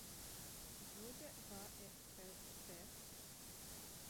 Hvor det var et fælt vejr